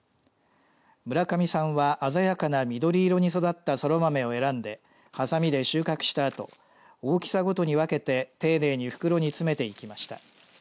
村上さんは鮮やかな緑色に育ったそら豆を選んではさみで収穫したあと大きさごとに分けて丁寧に袋に詰めていきました。